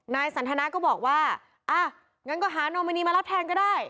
สันทนาก็บอกว่าอ่ะงั้นก็หานอมินีมารับแทนก็ได้